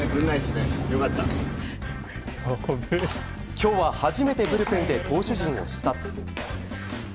今日は初めてブルペンで投手陣を視察。